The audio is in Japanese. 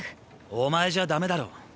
お前じゃダメだろ。